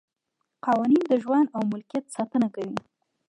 قوانین د ژوند او ملکیت ساتنه کوي.